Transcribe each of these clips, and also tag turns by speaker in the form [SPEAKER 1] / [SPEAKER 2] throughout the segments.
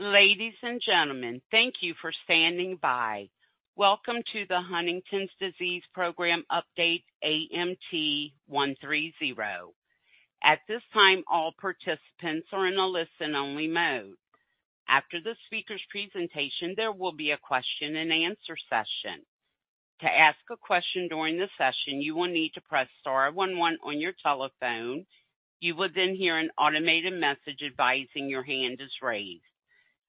[SPEAKER 1] Ladies and gentlemen, thank you for standing by. Welcome to the Huntington's Disease Program Update, AMT-130. At this time, all participants are in a listen-only mode. After the speaker's presentation, there will be a question-and-answer session. To ask a question during the session, you will need to press star one one on your telephone. You will then hear an automated message advising your hand is raised.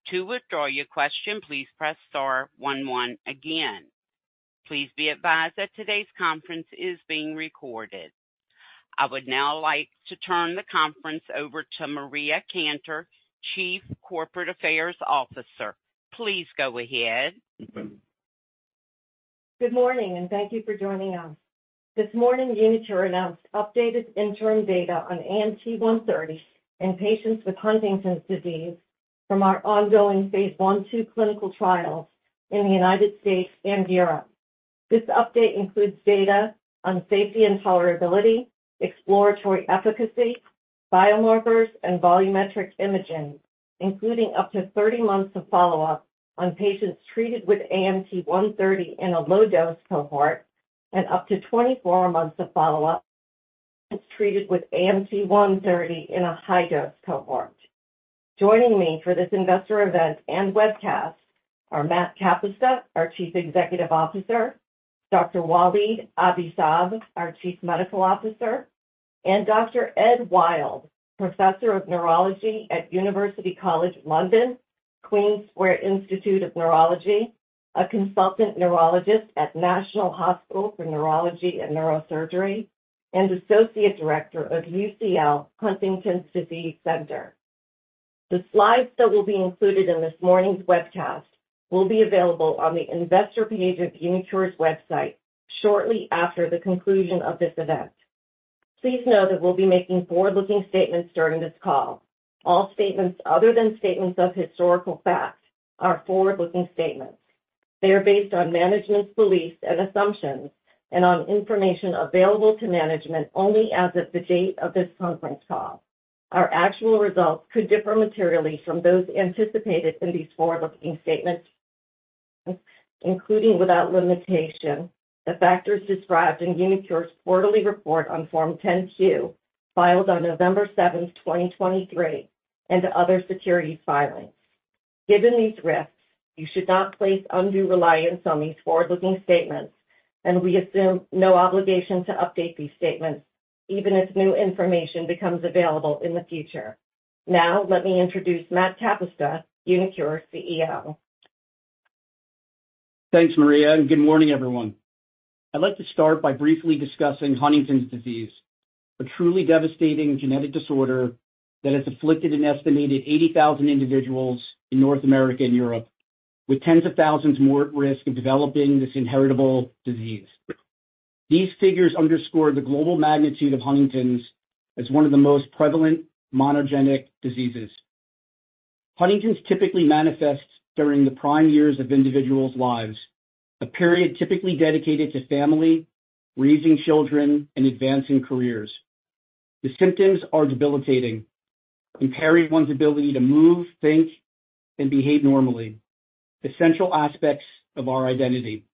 [SPEAKER 1] To withdraw your question, please press star one one again. Please be advised that today's conference is being recorded. I would now like to turn the conference over to Maria Cantor, Chief Corporate Affairs Officer. Please go ahead.
[SPEAKER 2] Good morning, and thank you for joining us. This morning, uniQure announced updated interim data on AMT-130 in patients with Huntington's disease from our ongoing Phase I/II clinical trials in the United States and Europe. This update includes data on safety and tolerability, exploratory efficacy, biomarkers, and volumetric imaging, including up to 30 months of follow-up on patients treated with AMT-130 in a low-dose cohort and up to 24 months of follow-up, patients treated with AMT-130 in a high-dose cohort. Joining me for this investor event and webcast are Matt Kapusta, our Chief Executive Officer; Dr. Walid Abi-Saab, our Chief Medical Officer; and Dr. Ed Wild, Professor of Neurology at University College London, Queen Square Institute of Neurology, a Consultant Neurologist at National Hospital for Neurology and Neurosurgery, and Associate Director of UCL Huntington's Disease Centre. The slides that will be included in this morning's webcast will be available on the investor page of uniQure's website shortly after the conclusion of this event. Please know that we'll be making forward-looking statements during this call. All statements other than statements of historical facts are forward-looking statements. They are based on management's beliefs and assumptions and on information available to management only as of the date of this conference call. Our actual results could differ materially from those anticipated in these forward-looking statements, including, without limitation, the factors described in uniQure's quarterly report on Form 10-Q, filed on November 7, 2023, and other securities filings. Given these risks, you should not place undue reliance on these forward-looking statements, and we assume no obligation to update these statements, even as new information becomes available in the future. Now, let me introduce Matt Kapusta, uniQure's CEO.
[SPEAKER 3] Thanks, Maria, and good morning, everyone. I'd like to start by briefly discussing Huntington's disease, a truly devastating genetic disorder that has afflicted an estimated 80,000 individuals in North America and Europe, with tens of thousands more at risk of developing this inheritable disease. These figures underscore the global magnitude of Huntington's as one of the most prevalent monogenic diseases. Huntington's typically manifests during the prime years of individuals' lives, a period typically dedicated to family, raising children, and advancing careers. The symptoms are debilitating, impairing one's ability to move, think, and behave normally, essential aspects of our identity.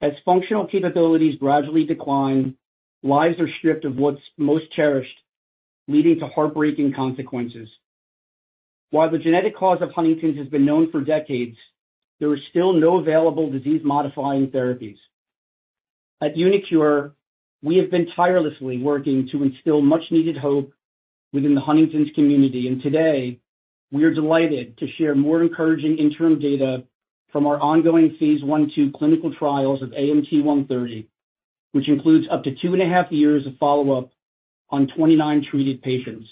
[SPEAKER 3] As functional capabilities gradually decline, lives are stripped of what's most cherished, leading to heartbreaking consequences. While the genetic cause of Huntington's has been known for decades, there are still no available disease-modifying therapies. At uniQure, we have been tirelessly working to instill much-needed hope within the Huntington's community, and today, we are delighted to share more encouraging interim data from our ongoing phase I/II clinical trials of AMT-130, which includes up to 2.5 years of follow-up on 29 treated patients.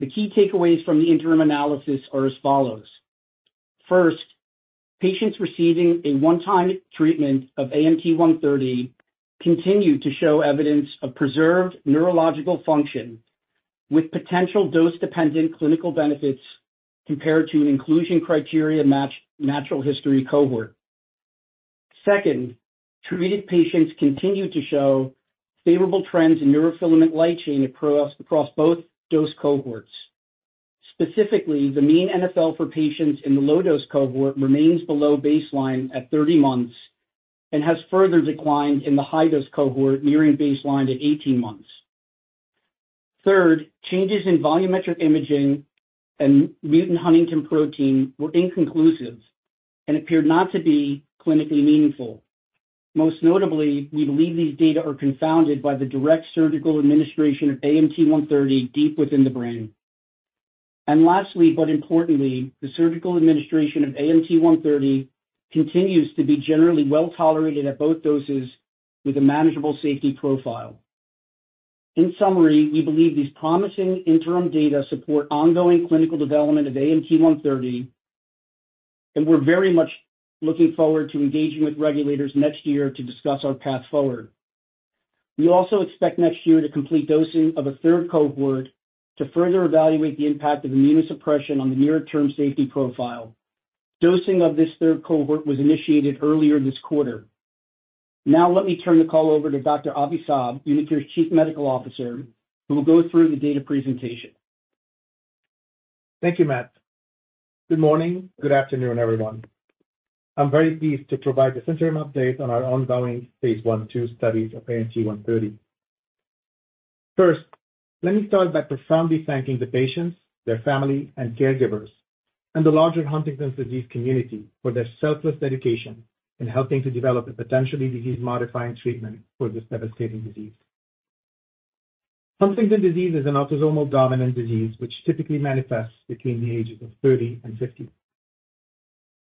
[SPEAKER 3] The key takeaways from the interim analysis are as follows: First, patients receiving a one-time treatment of AMT-130 continue to show evidence of preserved neurological function with potential dose-dependent clinical benefits compared to an inclusion criteria match natural history cohort. Second, treated patients continue to show favorable trends in neurofilament light chain across both dose cohorts. Specifically, the mean NfL for patients in the low-dose cohort remains below baseline at 30 months and has further declined in the high-dose cohort, nearing baseline to 18 months. Third, changes in volumetric imaging and mutant huntingtin protein were inconclusive and appeared not to be clinically meaningful. Most notably, we believe these data are confounded by the direct surgical administration of AMT-130 deep within the brain. And lastly, but importantly, the surgical administration of AMT-130 continues to be generally well-tolerated at both doses with a manageable safety profile. In summary, we believe these promising interim data support ongoing clinical development of AMT-130, and we're very much looking forward to engaging with regulators next year to discuss our path forward. We also expect next year to complete dosing of a third cohort to further evaluate the impact of immunosuppression on the nearer-term safety profile. Dosing of this third cohort was initiated earlier this quarter. Now let me turn the call over to Dr. Walid Abi-Saab, uniQure's Chief Medical Officer, who will go through the data presentation.
[SPEAKER 4] Thank you, Matt. Good morning, good afternoon, everyone. I'm very pleased to provide this interim update on our ongoing phase I, II studies of AMT-130. First, let me start by profoundly thanking the patients, their family, and caregivers, and the larger Huntington's disease community, for their selfless dedication in helping to develop a potentially disease-modifying treatment for this devastating disease. Huntington's disease is an autosomal dominant disease, which typically manifests between the ages of 30 and 50.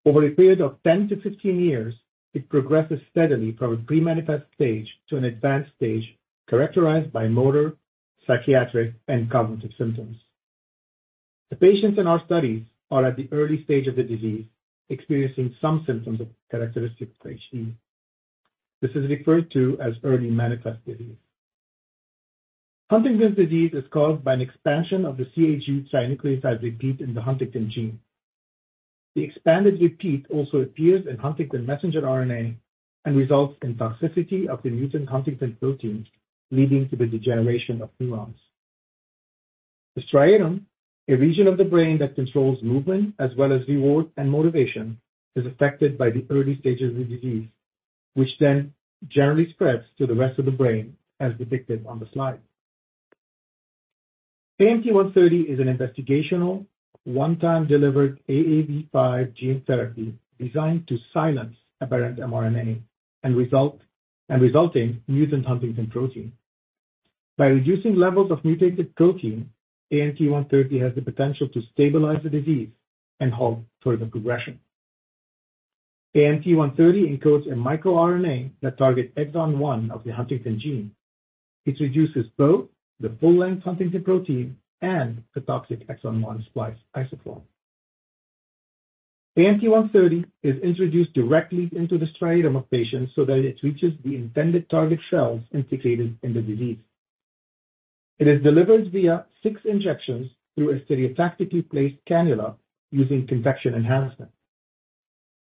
[SPEAKER 4] Over a period of 10 to 15 years, it progresses steadily from a pre-manifest stage to an advanced stage, characterized by motor, psychiatric, and cognitive symptoms. The patients in our studies are at the early stage of the disease, experiencing some symptoms of characteristic HD. This is referred to as early manifest disease. Huntington's disease is caused by an expansion of the CAG trinucleotide repeat in the huntingtin gene. The expanded repeat also appears in huntingtin messenger RNA and results in toxicity of the mutant huntingtin protein, leading to the degeneration of neurons. The striatum, a region of the brain that controls movement as well as reward and motivation, is affected by the early stages of the disease, which then generally spreads to the rest of the brain, as depicted on the slide. AMT-130 is an investigational, one-time delivered AAV5 gene therapy designed to silence huntingtin mRNA and resulting mutant huntingtin protein. By reducing levels of mutated protein, AMT-130 has the potential to stabilize the disease and halt further progression. AMT-130 encodes a micro-RNA that targets exon 1 of the huntingtin gene, which reduces both the full-length huntingtin protein and the toxic exon 1 splice isoform. AMT-130 is introduced directly into the striatum of patients so that it reaches the intended target cells implicated in the disease. It is delivered via six injections through a stereotactically placed cannula using convection enhancement.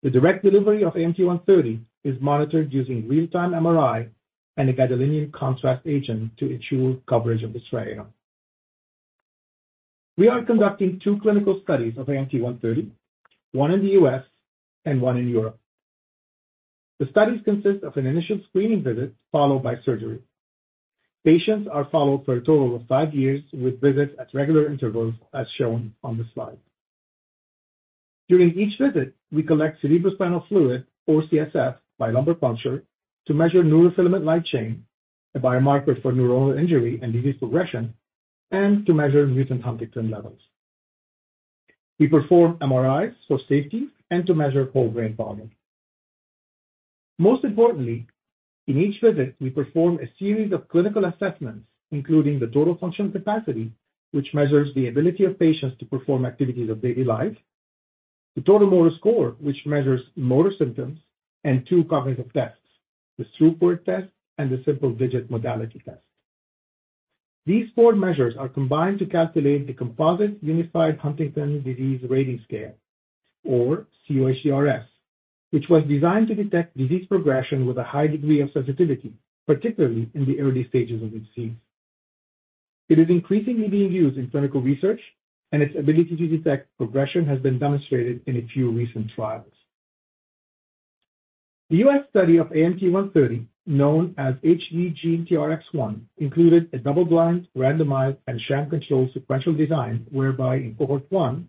[SPEAKER 4] The direct delivery of AMT-130 is monitored using real-time MRI and a gadolinium contrast agent to ensure coverage of the striatum. We are conducting two clinical studies of AMT-130, one in the U.S. and one in Europe. The studies consist of an initial screening visit, followed by surgery. Patients are followed for a total of five years, with visits at regular intervals, as shown on the slide. During each visit, we collect cerebrospinal fluid, or CSF, by lumbar puncture to measure neurofilament light chain, a biomarker for neuronal injury and disease progression, and to measure mutant huntingtin levels. We perform MRIs for safety and to measure whole brain volume. Most importantly, in each visit, we perform a series of clinical assessments, including the Total Functional Capacity, which measures the ability of patients to perform activities of daily life, the Total Motor Score, which measures motor symptoms, and two cognitive tests, the Stroop Word Test and the Symbol Digit Modalities Test. These four measures are combined to calculate the Composite Unified Huntington's Disease Rating Scale, or cUHDRS, which was designed to detect disease progression with a high degree of sensitivity, particularly in the early stages of the disease. It is increasingly being used in clinical research, and its ability to detect progression has been demonstrated in a few recent trials. The U.S. study of AMT-130, known as HD-GeneTRX-1, included a double-blind, randomized, and sham-controlled sequential design, whereby in cohort one,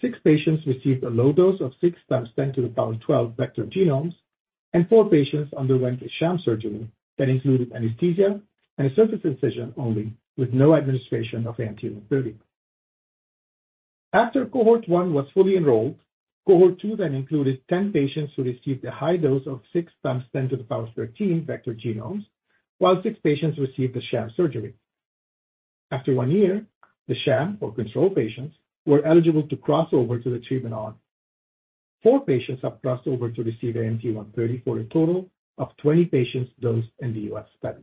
[SPEAKER 4] six patients received a low dose of 6 x 10^12 vector genomes, and four patients underwent a sham surgery that included anesthesia and a surface incision only, with no administration of AMT-130. After cohort one was fully enrolled, cohort two then included 10 patients who received a high dose of 6 x 10^13 vector genomes, while six patients received the sham surgery. After one year, the sham or control patients were eligible to cross over to the treatment arm. Four patients have crossed over to receive AMT-130, for a total of 20 patients dosed in the U.S. study.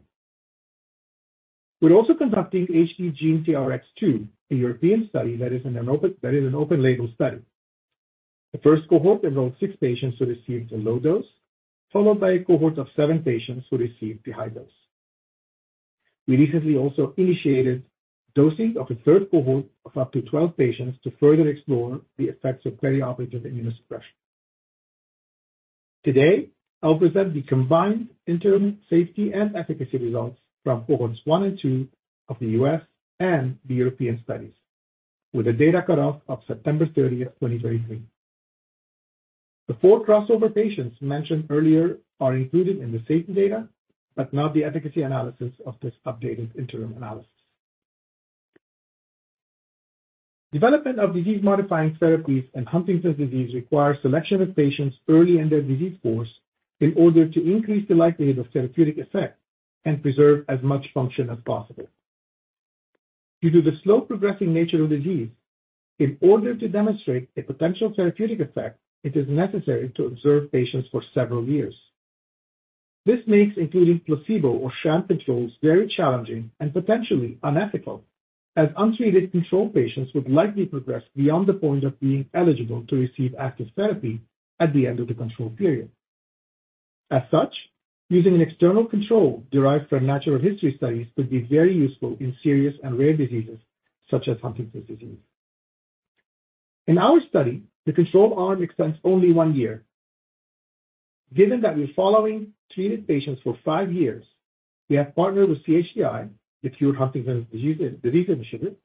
[SPEAKER 4] We're also conducting HD-GeneTRX-2, a European study that is an open-label study. The first cohort enrolled six patients who received a low dose, followed by a cohort of seven patients who received a high dose. We recently also initiated dosing of a third cohort of up to 12 patients to further explore the effects of perioperative immunosuppression. Today, I'll present the combined interim safety and efficacy results from cohorts one and two of the U.S. and the European studies, with a data cutoff of September 30, 2023. The four crossover patients mentioned earlier are included in the safety data, but not the efficacy analysis of this updated interim analysis. Development of disease-modifying therapies in Huntington's disease requires selection of patients early in their disease course in order to increase the likelihood of therapeutic effect and preserve as much function as possible. Due to the slow, progressing nature of the disease, in order to demonstrate a potential therapeutic effect, it is necessary to observe patients for several years. This makes including placebo or sham controls very challenging and potentially unethical, as untreated control patients would likely progress beyond the point of being eligible to receive active therapy at the end of the control period. As such, using an external control derived from natural history studies could be very useful in serious and rare diseases, such as Huntington's disease. In our study, the control arm extends only one year. Given that we're following treated patients for five years, we have partnered with CHDI, the Cure Huntington's Disease Initiative,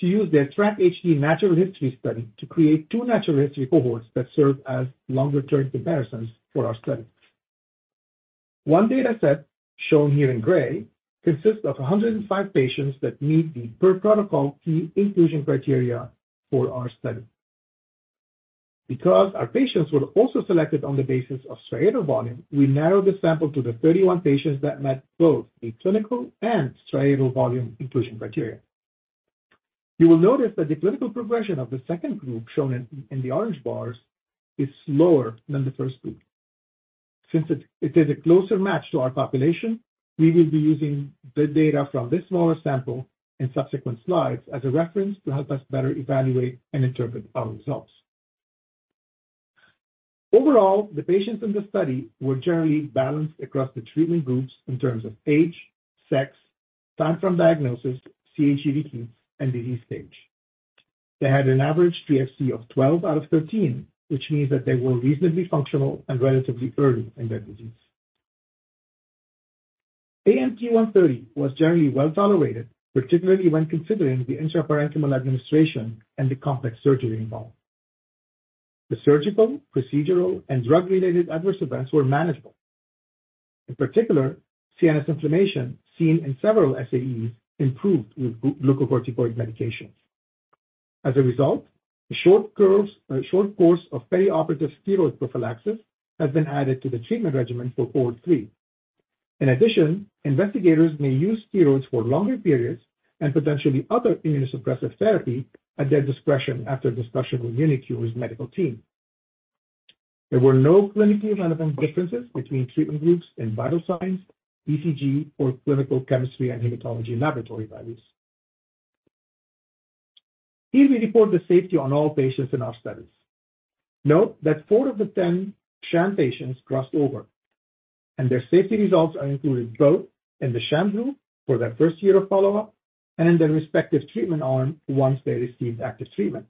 [SPEAKER 4] to use their TRACK-HD natural history study to create two natural history cohorts that serve as longer-term comparisons for our study. One data set, shown here in gray, consists of 105 patients that meet the per-protocol key inclusion criteria for our study. Because our patients were also selected on the basis of striatal volume, we narrowed the sample to the 31 patients that met both the clinical and striatal volume inclusion criteria. You will notice that the clinical progression of the second group, shown in the orange bars, is slower than the first group. Since it is a closer match to our population, we will be using the data from this smaller sample in subsequent slides as a reference to help us better evaluate and interpret our results. Overall, the patients in the study were generally balanced across the treatment groups in terms of age, sex, time from diagnosis, CAG repeats, and disease stage. They had an average TFC of 12 out of 13, which means that they were reasonably functional and relatively early in their disease. AMT-130 was generally well tolerated, particularly when considering the intraparenchymal administration and the complex surgery involved. The surgical, procedural, and drug-related adverse events were manageable. In particular, CNS inflammation, seen in several SAEs, improved with glucocorticoid medications. As a result, a short course of perioperative steroid prophylaxis has been added to the treatment regimen for cohort three. In addition, investigators may use steroids for longer periods and potentially other immunosuppressive therapy at their discretion after discussion with uniQure's medical team. There were no clinically relevant differences between treatment groups in vital signs, ECG, or clinical chemistry and hematology laboratory values. Here we report the safety on all patients in our studies. Note that four of the 10 sham patients crossed over, and their safety results are included both in the sham group for their first year of follow-up and in their respective treatment arm once they received active treatment.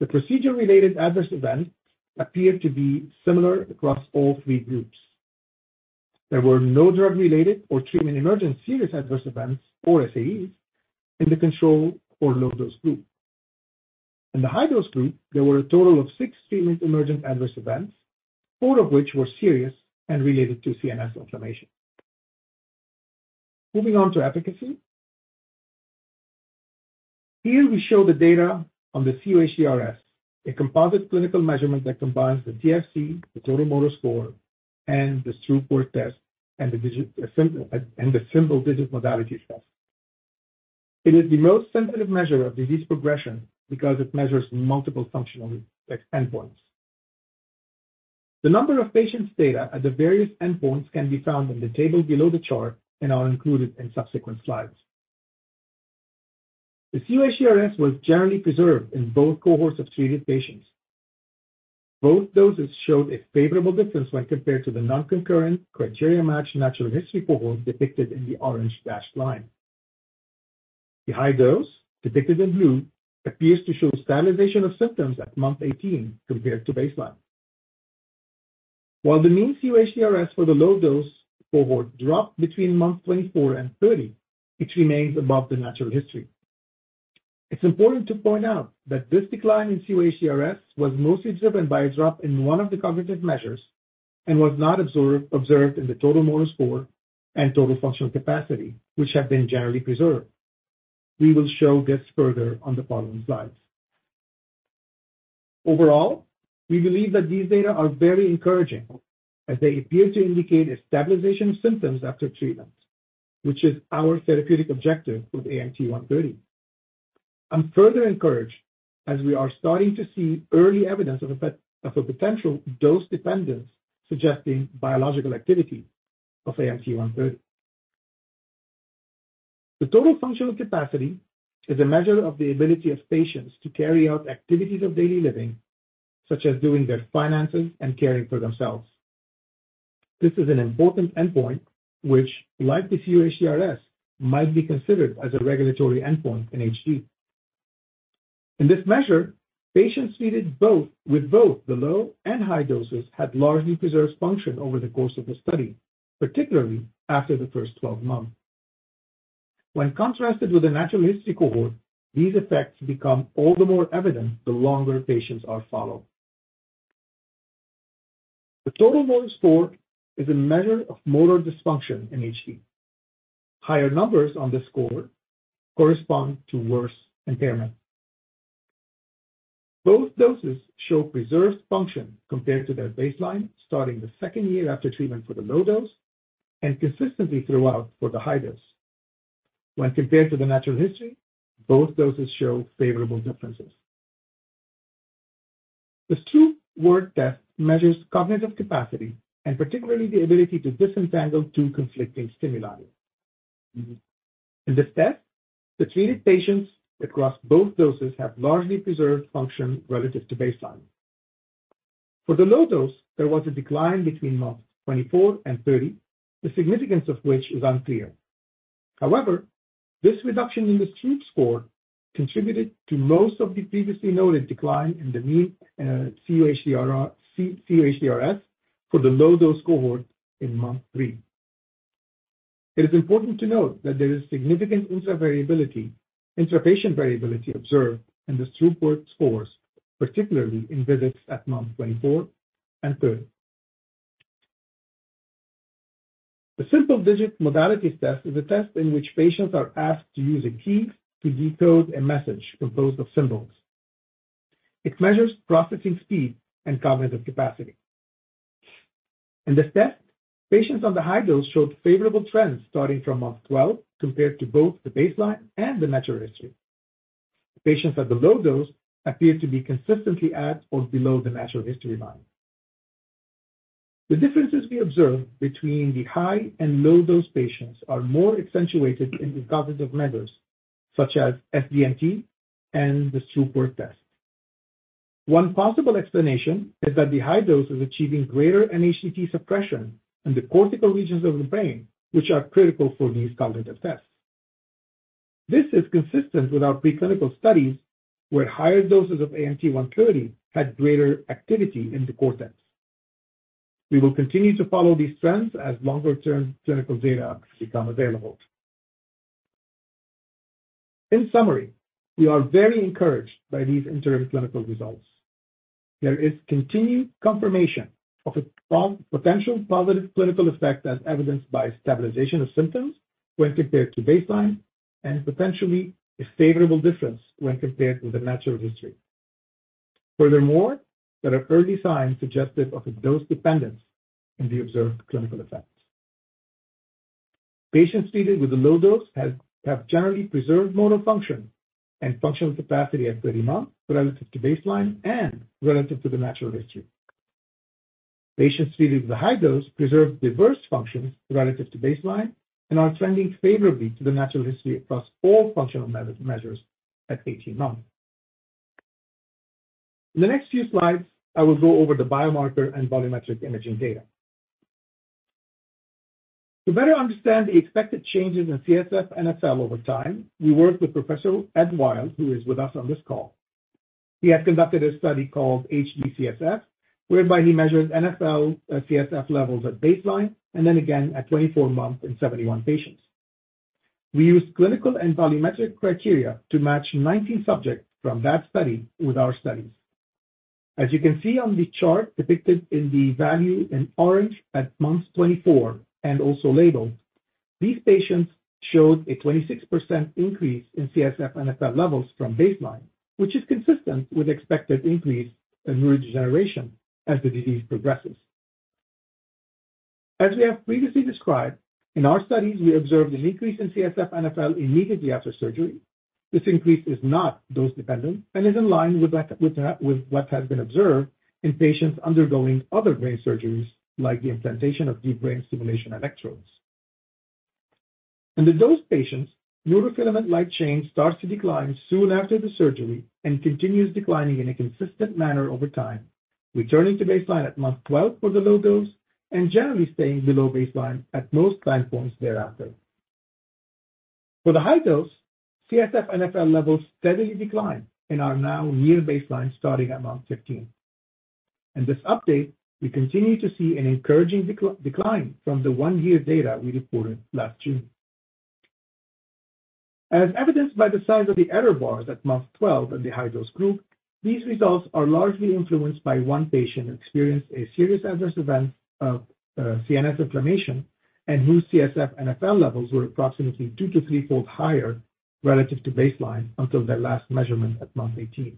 [SPEAKER 4] The procedure-related adverse events appeared to be similar across all three groups. There were no drug-related or treatment-emergent serious adverse events or SAEs in the control or low-dose group. In the high-dose group, there were a total of six treatment-emergent adverse events, four of which were serious and related to CNS inflammation. Moving on to efficacy. Here we show the data on the cUHDRS, a composite clinical measurement that combines the TFC, the Total Motor Score, and the Stroop Word Test, and the Symbol Digit Modalities Test. It is the most sensitive measure of disease progression because it measures multiple functional endpoints. The number of patients' data at the various endpoints can be found in the table below the chart and are included in subsequent slides. The cUHDRS was generally preserved in both cohorts of treated patients. Both doses showed a favorable difference when compared to the non-concurrent criteria-matched natural history cohort depicted in the orange dashed line. The high dose, depicted in blue, appears to show stabilization of symptoms at month 18 compared to baseline. While the mean cUHDRS for the low dose cohort dropped between months 24 and 30, it remains above the natural history. It's important to point out that this decline in cUHDRS was mostly driven by a drop in one of the cognitive measures and was not observed in the Total Motor Score and total functional capacity, which have been generally preserved. We will show this further on the following slides. Overall, we believe that these data are very encouraging, as they appear to indicate a stabilization of symptoms after treatment, which is our therapeutic objective with AMT-130. I'm further encouraged, as we are starting to see early evidence of a potential dose dependence suggesting biological activity of AMT-130. The total functional capacity is a measure of the ability of patients to carry out activities of daily living, such as doing their finances and caring for themselves. This is an important endpoint, which, like the cUHDRS, might be considered as a regulatory endpoint in HD. In this measure, patients treated with both the low and high doses had largely preserved function over the course of the study, particularly after the first 12 months. When contrasted with the natural history cohort, these effects become all the more evident the longer patients are followed. The Total Motor Score is a measure of motor dysfunction in HD. Higher numbers on this score correspond to worse impairment. Both doses show preserved function compared to their baseline, starting the second year after treatment for the low dose and consistently throughout for the high dose. When compared to the natural history, both doses show favorable differences.... The Stroop Word Test measures cognitive capacity, and particularly the ability to disentangle two conflicting stimuli. Mm-hmm. In this test, the treated patients across both doses have largely preserved function relative to baseline. For the low dose, there was a decline between months 24 and 30, the significance of which is unclear. However, this reduction in the Stroop score contributed to most of the previously noted decline in the mean cUHDRS for the low dose cohort in month 3. It is important to note that there is significant intra variability, intra-patient variability observed in the Stroop Word scores, particularly in visits at months 24 and 30. The Symbol Digit Modalities Test is a test in which patients are asked to use a key to decode a message composed of symbols. It measures processing speed and cognitive capacity. In this test, patients on the high dose showed favorable trends starting from month 12 compared to both the baseline and the natural history. Patients at the low dose appeared to be consistently at or below the natural history line. The differences we observed between the high and low dose patients are more accentuated in the cognitive measures such as SDMT and the Stroop Word Test. One possible explanation is that the high dose is achieving greater mHTT suppression in the cortical regions of the brain, which are critical for these cognitive tests. This is consistent with our preclinical studies, where higher doses of AMT-130 had greater activity in the cortex. We will continue to follow these trends as longer-term clinical data become available. In summary, we are very encouraged by these interim clinical results. There is continued confirmation of a strong potential positive clinical effect, as evidenced by stabilization of symptoms when compared to baseline, and potentially a favorable difference when compared with the natural history. Furthermore, there are early signs suggestive of a dose dependence in the observed clinical effects. Patients treated with a low dose have generally preserved motor function and functional capacity at 30 months, relative to baseline and relative to the natural history. Patients treated with the high dose preserve diverse functions relative to baseline and are trending favorably to the natural history across all functional measures at 18 months. In the next few slides, I will go over the biomarker and volumetric imaging data. To better understand the expected changes in CSF NfL over time, we worked with Professor Ed Wild, who is with us on this call. He has conducted a study called HD-CSF, whereby he measures NfL CSF levels at baseline and then again at 24 months in 71 patients. We used clinical and volumetric criteria to match 19 subjects from that study with our studies. As you can see on the chart depicted in the value in orange at month 24 and also labeled, these patients showed a 26% increase in CSF NfL levels from baseline, which is consistent with expected increase in neurodegeneration as the disease progresses. As we have previously described, in our studies, we observed an increase in CSF NfL immediately after surgery. This increase is not dose-dependent and is in line with that, with what has been observed in patients undergoing other brain surgeries, like the implantation of deep brain stimulation electrodes. In the dosed patients, neurofilament light chain starts to decline soon after the surgery and continues declining in a consistent manner over time, returning to baseline at month 12 for the low dose and generally staying below baseline at most time points thereafter. For the high dose, CSF NfL levels steadily decline and are now near baseline, starting at month 15. In this update, we continue to see an encouraging decline from the 1-year data we reported last June. As evidenced by the size of the error bars at month 12 in the high dose group, these results are largely influenced by one patient who experienced a serious adverse event of CNS inflammation, and whose CSF NfL levels were approximately 2- to 3-fold higher relative to baseline until their last measurement at month 18.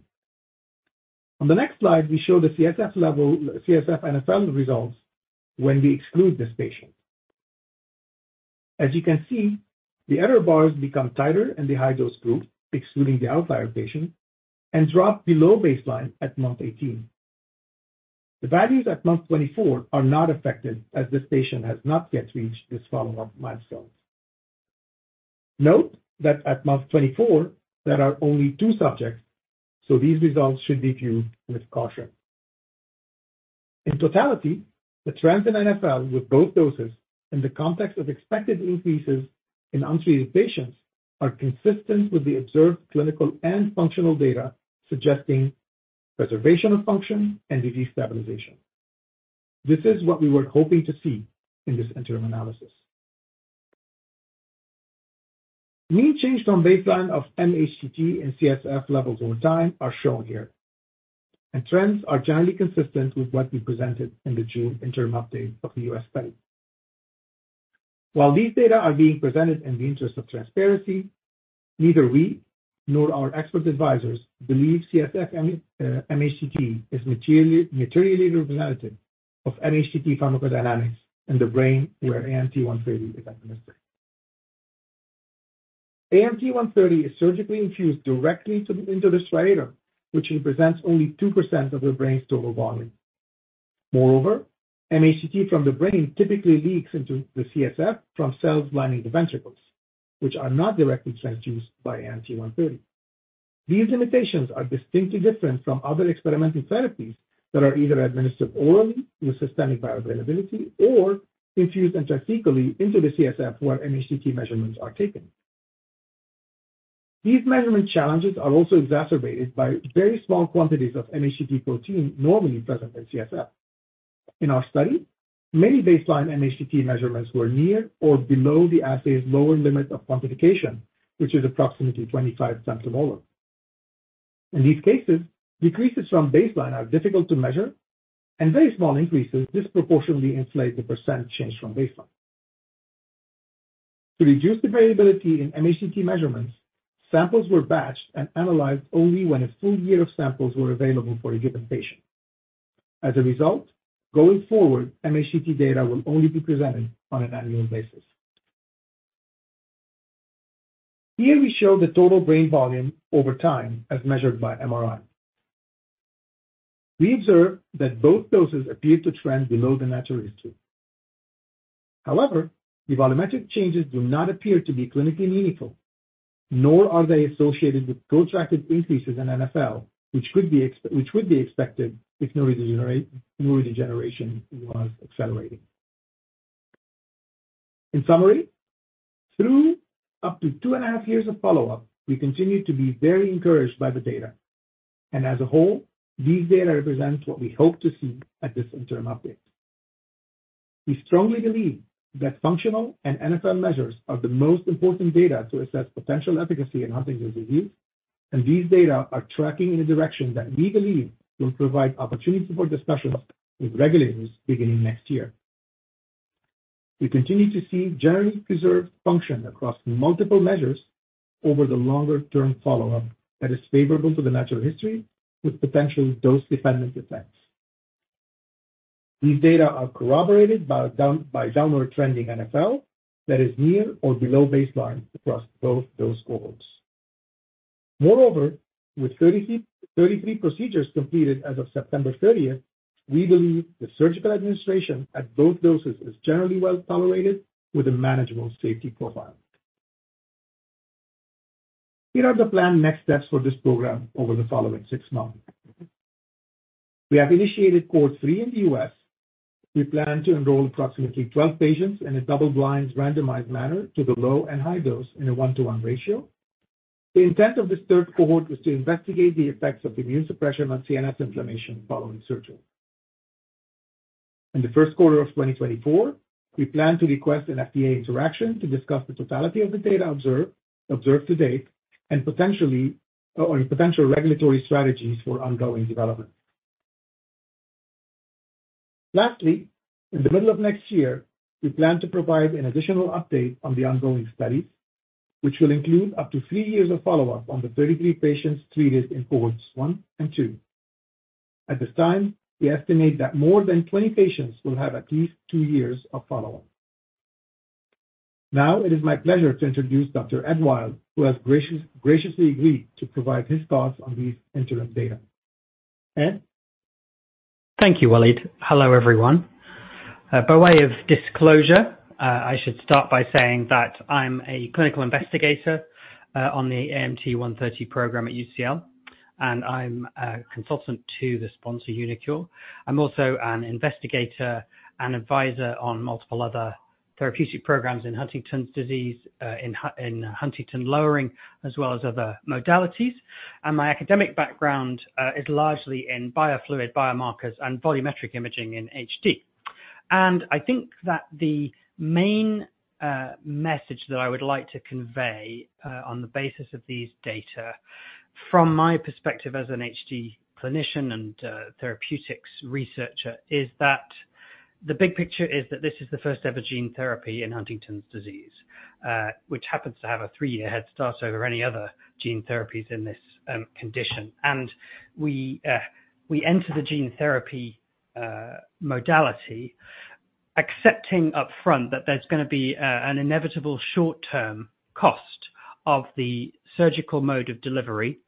[SPEAKER 4] On the next slide, we show the CSF level, CSF NfL results when we exclude this patient. As you can see, the error bars become tighter in the high dose group, excluding the outlier patient, and drop below baseline at month 18. The values at month 24 are not affected, as this patient has not yet reached this follow-up milestone. Note that at month 24, there are only two subjects, so these results should be viewed with caution. In totality, the trends in NfL with both doses in the context of expected increases in untreated patients are consistent with the observed clinical and functional data suggesting preservation of function and disease stabilization. This is what we were hoping to see in this interim analysis. Mean change from baseline of mHTT and CSF levels over time are shown here, and trends are generally consistent with what we presented in the June interim update of the U.S. study. While these data are being presented in the interest of transparency, neither we nor our expert advisors believe CSF, mHTT is materially representative of mHTT pharmacodynamics in the brain, where AMT-130 is administered. AMT-130 is surgically infused directly into the striatum, which represents only 2% of the brain's total volume. Moreover, mHTT from the brain typically leaks into the CSF from cells lining the ventricles, which are not directly transfused by AMT-130. These limitations are distinctly different from other experimental therapies that are either administered orally with systemic bioavailability or infused intraspinally into the CSF, where mHTT measurements are taken. These measurement challenges are also exacerbated by very small quantities of mHTT protein normally present in CSF. In our study, many baseline mHTT measurements were near or below the assay's lower limit of quantification, which is approximately 25 picomolar. In these cases, decreases from baseline are difficult to measure, and very small increases disproportionately inflate the % change from baseline. To reduce the variability in mHTT measurements, samples were batched and analyzed only when a full year of samples were available for a given patient. As a result, going forward, mHTT data will only be presented on an annual basis. Here we show the total brain volume over time, as measured by MRI. We observe that both doses appear to trend below the natural history. However, the volumetric changes do not appear to be clinically meaningful, nor are they associated with correlated increases in NfL, which would be expected if neurodegeneration was accelerating. In summary, through up to 2.5 years of follow-up, we continue to be very encouraged by the data, and as a whole, these data represents what we hope to see at this interim update. We strongly believe that functional and NfL measures are the most important data to assess potential efficacy in Huntington's disease, and these data are tracking in a direction that we believe will provide opportunities for discussions with regulators beginning next year. We continue to see generally preserved function across multiple measures over the longer-term follow-up that is favorable to the natural history, with potentially dose-dependent effects. These data are corroborated by downward trending NfL that is near or below baseline across both dose cohorts. Moreover, with 33 procedures completed as of September 30th, we believe the surgical administration at both doses is generally well-tolerated with a manageable safety profile. Here are the planned next steps for this program over the following six months. We have initiated cohort three in the U.S. We plan to enroll approximately 12 patients in a double-blind, randomized manner to the low and high dose in a 1:1 ratio. The intent of this third cohort was to investigate the effects of immunosuppression on CNS inflammation following surgery. In the first quarter of 2024, we plan to request an FDA interaction to discuss the totality of the data observed, observed to date, and potentially, or potential regulatory strategies for ongoing development. Lastly, in the middle of next year, we plan to provide an additional update on the ongoing studies, which will include up to three years of follow-up on the 33 patients treated in cohorts one and two. At this time, we estimate that more than 20 patients will have at least two years of follow-up. Now, it is my pleasure to introduce Dr. Ed Wild, who has graciously agreed to provide his thoughts on these interim data. Ed?
[SPEAKER 5] Thank you, Walid. Hello, everyone. By way of disclosure, I should start by saying that I'm a clinical investigator on the AMT-130 program at UCL, and I'm a consultant to the sponsor, uniQure. I'm also an investigator and advisor on multiple other therapeutic programs in Huntington's disease, in huntingtin lowering, as well as other modalities. My academic background is largely in biofluid biomarkers and volumetric imaging in HD. I think that the main message that I would like to convey, on the basis of these data, from my perspective as an HD clinician and a therapeutics researcher, is that the big picture is that this is the first-ever gene therapy in Huntington's disease, which happens to have a three-year head start over any other gene therapies in this condition. We enter the gene therapy modality, accepting upfront that there's gonna be an inevitable short-term cost of the surgical mode of delivery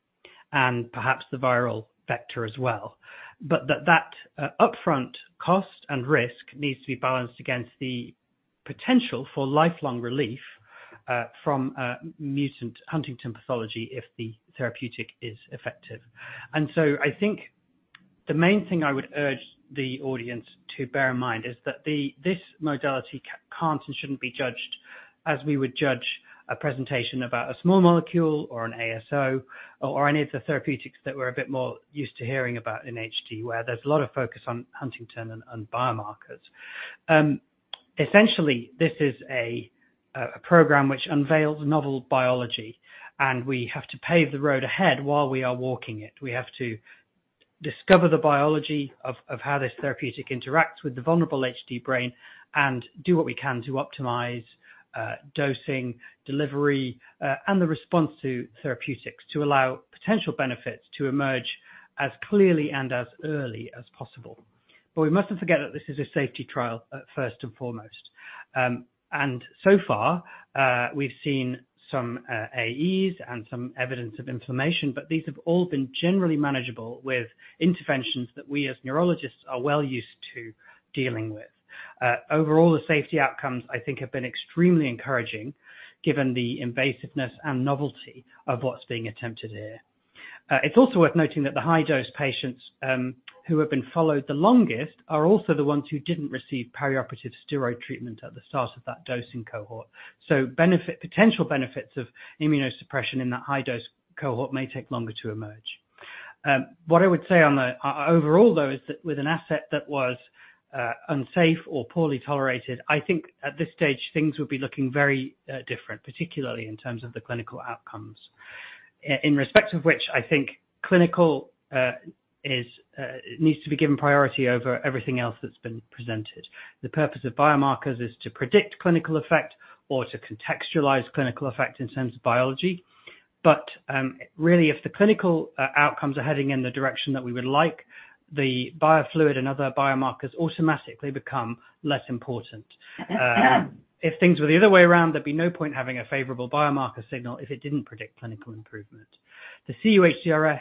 [SPEAKER 5] and perhaps the viral vector as well. But that upfront cost and risk needs to be balanced against the potential for lifelong relief from a mutant huntingtin pathology if the therapeutic is effective. So I think the main thing I would urge the audience to bear in mind is that this modality can't and shouldn't be judged as we would judge a presentation about a small molecule, or an ASO, or any of the therapeutics that we're a bit more used to hearing about in HD, where there's a lot of focus on huntingtin and biomarkers. Essentially, this is a program which unveils novel biology, and we have to pave the road ahead while we are walking it. We have to discover the biology of how this therapeutic interacts with the vulnerable HD brain and do what we can to optimize dosing, delivery, and the response to therapeutics, to allow potential benefits to emerge as clearly and as early as possible... But we mustn't forget that this is a safety trial, first and foremost. And so far, we've seen some AEs and some evidence of inflammation, but these have all been generally manageable with interventions that we, as neurologists, are well used to dealing with. Overall, the safety outcomes, I think, have been extremely encouraging given the invasiveness and novelty of what's being attempted here. It's also worth noting that the high dose patients, who have been followed the longest, are also the ones who didn't receive perioperative steroid treatment at the start of that dosing cohort. So potential benefits of immunosuppression in that high dose cohort may take longer to emerge. What I would say on the overall, though, is that with an asset that was unsafe or poorly tolerated, I think at this stage, things would be looking very different, particularly in terms of the clinical outcomes. In respect of which I think clinical needs to be given priority over everything else that's been presented. The purpose of biomarkers is to predict clinical effect or to contextualize clinical effect in terms of biology. But, really, if the clinical outcomes are heading in the direction that we would like, the biofluid and other biomarkers automatically become less important. If things were the other way around, there'd be no point in having a favorable biomarker signal if it didn't predict clinical improvement. The cUHDRS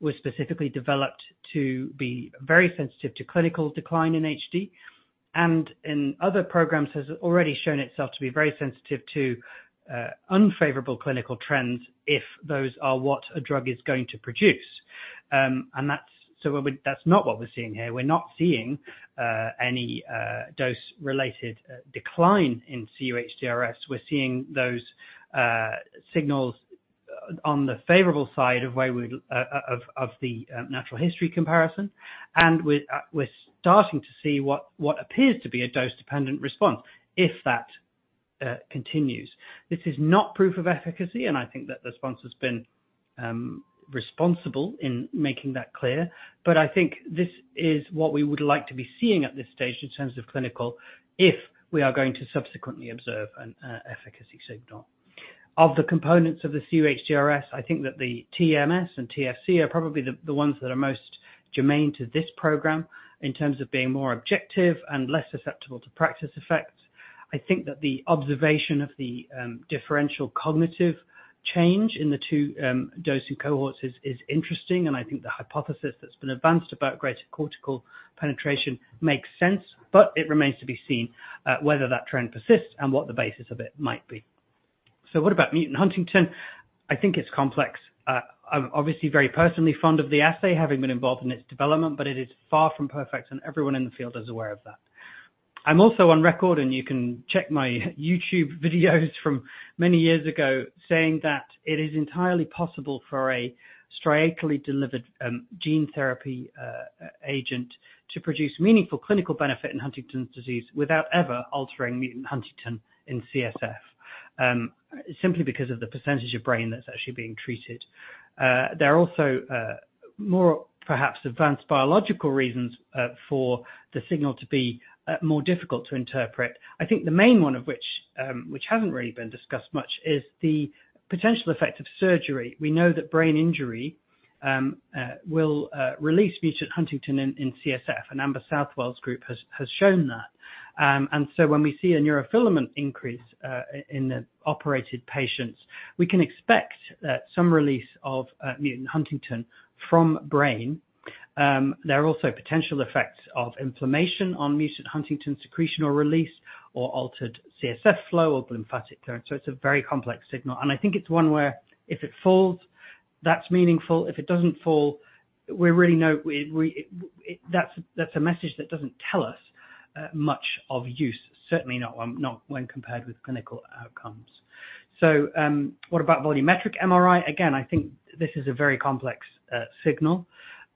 [SPEAKER 5] was specifically developed to be very sensitive to clinical decline in HD, and in other programs, has already shown itself to be very sensitive to unfavorable clinical trends, if those are what a drug is going to produce. And that's not what we're seeing here. We're not seeing any dose-related decline in cUHDRS. We're seeing those signals on the favorable side of where we of the natural history comparison, and we're starting to see what appears to be a dose-dependent response, if that continues. This is not proof of efficacy, and I think that the sponsor's been responsible in making that clear, but I think this is what we would like to be seeing at this stage in terms of clinical, if we are going to subsequently observe an efficacy signal. Of the components of the cUHDRS, I think that the TMS and TFC are probably the ones that are most germane to this program in terms of being more objective and less susceptible to practice effects. I think that the observation of the differential cognitive change in the two dosing cohorts is interesting, and I think the hypothesis that's been advanced about greater cortical penetration makes sense, but it remains to be seen whether that trend persists and what the basis of it might be. So what about mutant huntingtin? I think it's complex. I'm obviously very personally fond of the assay, having been involved in its development, but it is far from perfect, and everyone in the field is aware of that. I'm also on record, and you can check my YouTube videos from many years ago, saying that it is entirely possible for a striatally delivered gene therapy agent to produce meaningful clinical benefit in Huntington's disease without ever altering mutant huntingtin in CSF simply because of the percentage of brain that's actually being treated. There are also more perhaps advanced biological reasons for the signal to be more difficult to interpret. I think the main one of which, which hasn't really been discussed much, is the potential effect of surgery. We know that brain injury will release mutant huntingtin in CSF, and Amber Southwell's group has shown that. And so when we see a neurofilament increase in the operated patients, we can expect some release of mutant huntingtin from brain. There are also potential effects of inflammation on mutant huntingtin secretion or release, or altered CSF flow, or lymphatic current. So it's a very complex signal, and I think it's one where if it falls, that's meaningful. If it doesn't fall, we really know that's a message that doesn't tell us much use, certainly not when compared with clinical outcomes. So, what about volumetric MRI? Again, I think this is a very complex signal.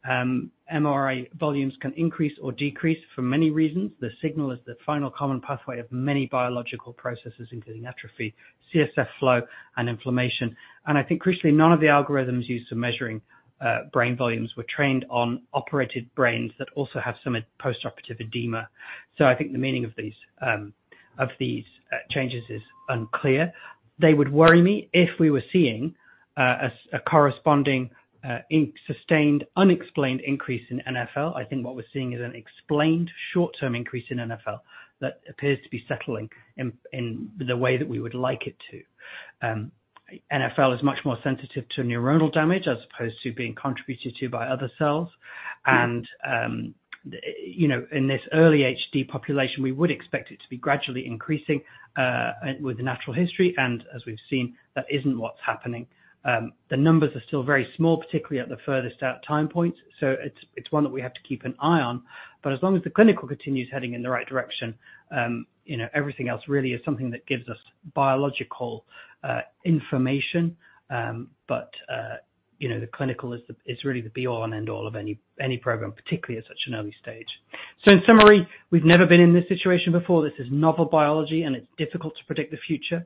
[SPEAKER 5] MRI volumes can increase or decrease for many reasons. The signal is the final common pathway of many biological processes, including atrophy, CSF flow, and inflammation. And I think crucially, none of the algorithms used for measuring brain volumes were trained on operated brains that also have some postoperative edema. So I think the meaning of these changes is unclear. They would worry me if we were seeing a corresponding sustained unexplained increase in NfL. I think what we're seeing is an explained short-term increase in NfL, that appears to be settling in, in the way that we would like it to. NfL is much more sensitive to neuronal damage as opposed to being contributed to by other cells. And, you know, in this early HD population, we would expect it to be gradually increasing, with the natural history, and as we've seen, that isn't what's happening. The numbers are still very small, particularly at the furthest out time points, so it's one that we have to keep an eye on, but as long as the clinical continues heading in the right direction, you know, everything else really is something that gives us biological information. But, you know, the clinical is really the be-all and end-all of any program, particularly at such an early stage. So in summary, we've never been in this situation before. This is novel biology, and it's difficult to predict the future.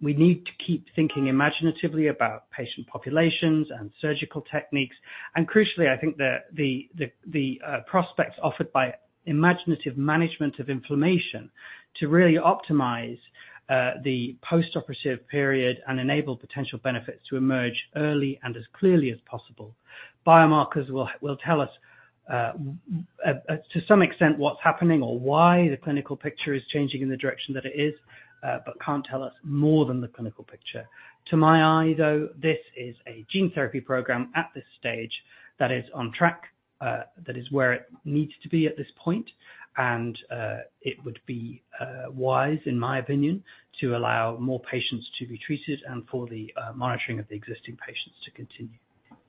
[SPEAKER 5] We need to keep thinking imaginatively about patient populations and surgical techniques. And crucially, I think the prospects offered by imaginative management of inflammation to really optimize the postoperative period and enable potential benefits to emerge early and as clearly as possible. Biomarkers will tell us, to some extent, what's happening or why the clinical picture is changing in the direction that it is, but can't tell us more than the clinical picture. To my eye, though, this is a gene therapy program at this stage that is on track, that is where it needs to be at this point, and it would be wise, in my opinion, to allow more patients to be treated and for the monitoring of the existing patients to continue.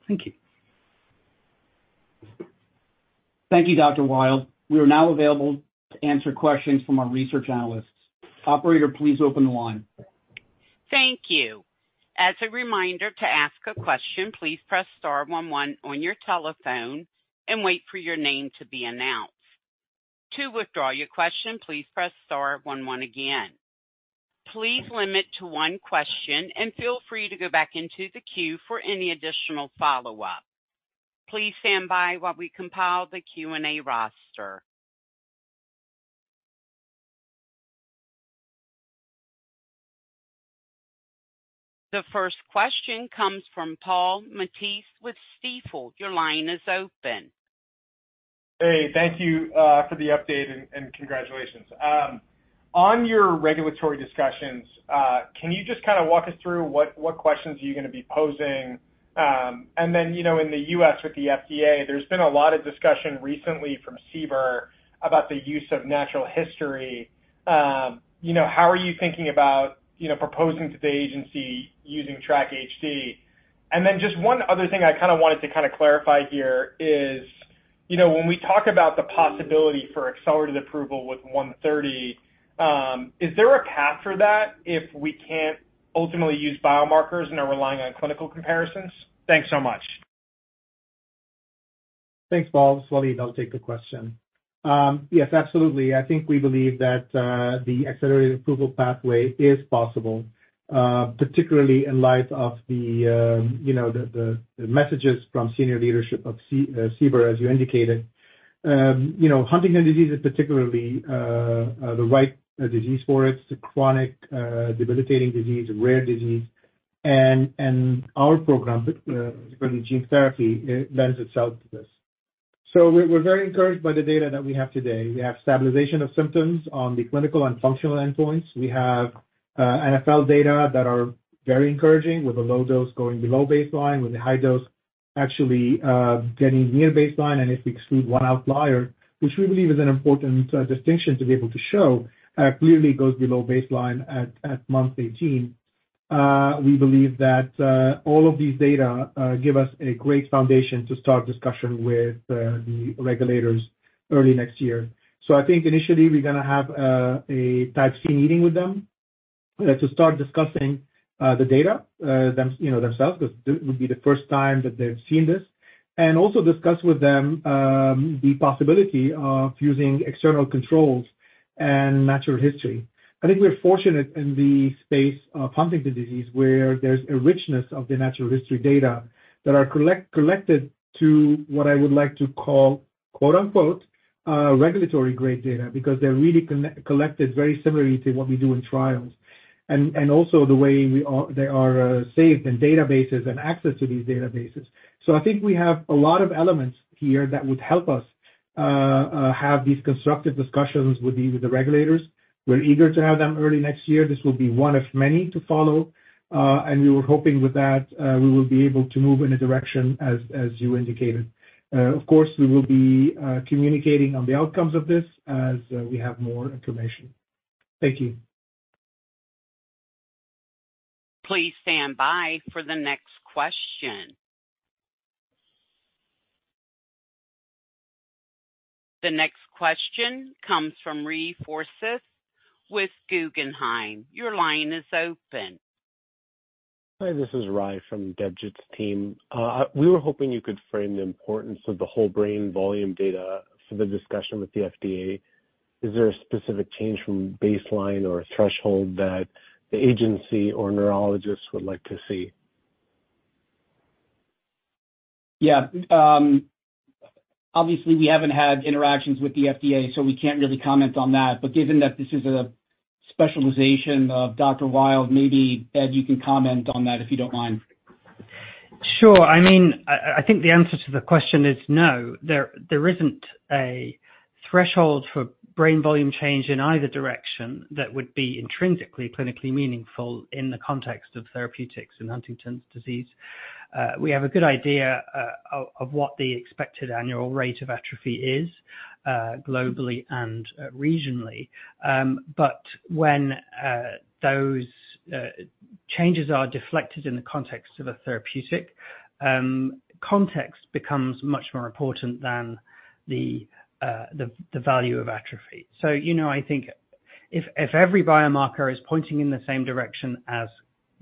[SPEAKER 5] Thank you.
[SPEAKER 3] Thank you, Dr. Wild. We are now available to answer questions from our research analysts. Operator, please open the line.
[SPEAKER 1] Thank you. As a reminder, to ask a question, please press star one one on your telephone and wait for your name to be announced. To withdraw your question, please press star one one again. Please limit to one question, and feel free to go back into the queue for any additional follow-up. Please stand by while we compile the Q&A roster. The first question comes from Paul Matteis with Stifel. Your line is open.
[SPEAKER 6] Hey, thank you for the update and congratulations. On your regulatory discussions, can you just kind of walk us through what questions you are going to be posing? And then, you know, in the U.S., with the FDA, there's been a lot of discussion recently from CBER about the use of natural history. You know, how are you thinking about, you know, proposing to the agency using TRACK-HD? And then just one other thing I kind of wanted to kind of clarify here is, you know, when we talk about the possibility for accelerated approval with one thirty, is there a path for that if we can't ultimately use biomarkers and are relying on clinical comparisons? Thanks so much.
[SPEAKER 5] Thanks, Paul. Walid, I'll take the question. Yes, absolutely. I think we believe that, the accelerated approval pathway is possible, particularly in light of the, you know, the messages from senior leadership of CBER, as you indicated. You know, Huntington's disease is particularly, the right disease for it. It's a chronic, debilitating disease, a rare disease, and our program for the gene therapy, it lends itself to this. So we're very encouraged by the data that we have today. We have stabilization of symptoms on the clinical and functional endpoints. We have NfL data that are very encouraging, with the low dose going below baseline, with the high dose actually getting near baseline, and if we exclude one outlier, which we believe is an important distinction to be able to show clearly goes below baseline at month 18. We believe that all of these data give us a great foundation to start discussion with the regulators early next year. So I think initially we're gonna have a Type C meeting with them to start discussing the data them, you know, themselves, because this would be the first time that they've seen this, and also discuss with them the possibility of using external controls and natural history. I think we're fortunate in the space of Huntington's disease, where there's a richness of the natural history data that are collected to what I would like to call, quote, unquote, regulatory grade data, because they're really collected very similarly to what we do in trials, and also the way they are saved in databases and access to these databases. So I think we have a lot of elements here that would help us have these constructive discussions with the regulators. We're eager to have them early next year. This will be one of many to follow, and we were hoping with that we will be able to move in a direction as you indicated. Of course, we will be communicating on the outcomes of this as we have more information. Thank you.
[SPEAKER 1] Please stand by for the next question. The next question comes from Ry Forseth with Guggenheim. Your line is open.
[SPEAKER 7] Hi, this is Ry from Debjit's team. We were hoping you could frame the importance of the whole brain volume data for the discussion with the FDA. Is there a specific change from baseline or a threshold that the agency or neurologists would like to see?
[SPEAKER 3] Yeah. Obviously, we haven't had interactions with the FDA, so we can't really comment on that. But given that this is a specialization of Dr. Wild, maybe, Ed, you can comment on that, if you don't mind.
[SPEAKER 5] Sure. I mean, I think the answer to the question is no. There isn't a threshold for brain volume change in either direction that would be intrinsically clinically meaningful in the context of therapeutics in Huntington's disease. We have a good idea of what the expected annual rate of atrophy is, globally and regionally. But when those changes are deflected in the context of a therapeutic, context becomes much more important than the value of atrophy. So, you know, I think if every biomarker is pointing in the same direction as